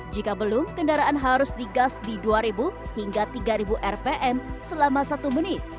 jika belum kendaraan harus digas di dua ribu hingga tiga rpm selama satu menit